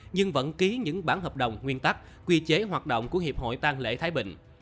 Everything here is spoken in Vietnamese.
nhưng vẫn ký những bản hợp đồng nguyên tắc quy chế hoạt động của hiệp hội tăng lễ thái bình